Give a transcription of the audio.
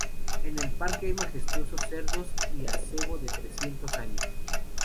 En el parque hay majestuosos cedros y acebo de trescientos años.